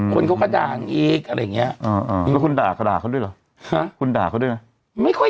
คนเขาก็ด่างอีกอะไรอย่างเงี้ย